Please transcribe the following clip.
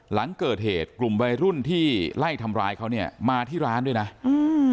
หลังเกิดเหตุกลุ่มวัยรุ่นที่ไล่ทำร้ายเขาเนี่ยมาที่ร้านด้วยนะอืม